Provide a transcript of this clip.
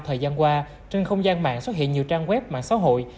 thời gian qua trên không gian mạng xuất hiện nhiều trang web mạng xã hội